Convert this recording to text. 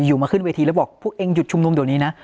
อยู่มาขึ้นเวทีแล้วบอกพวกเองหยุดชุมนุมเดี๋ยวนี้นะ